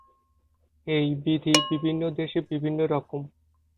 এই বিধি বিভিন্ন দেশে বিভিন্ন রকম।